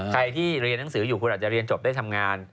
ใครที่เรียนหนังสืออยู่คุณอาจจะเรียนจบได้ทำงาน